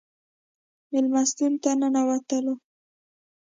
مېلمستون ته ننوتلو.